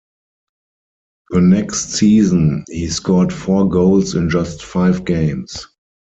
The next season, he scored four goals in just five games.